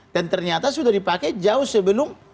dan ternyata sudah dipakai jauh sebelum